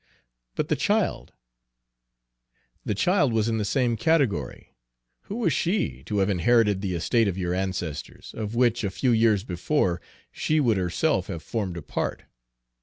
"But the child" "The child was in the same category. Who was she, to have inherited the estate of your ancestors, of which, a few years before, she would herself have formed a part?